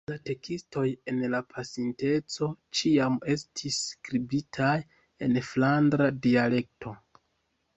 La tekstoj en la pasinteco ĉiam estis skribitaj en flandra dialekto.